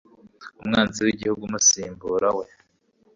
umwanzi w'igihugu, umusimbura we